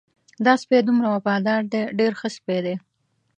دا سپی دومره وفادار دی ډېر ښه سپی دی.